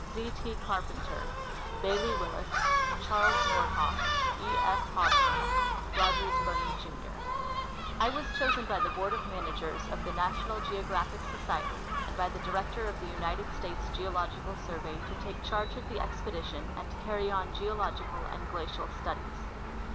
Z. T. Carpenter. Bailey Willis. Charles Nordhoff. E. S. Hosmer. . Rogers Birnie, Jr. I was chosen by the Board of Managers of the National Geo graphic Society and by the Director of the United States Geological Survey to take charge of the expedition and to carry on geological and glacial studies.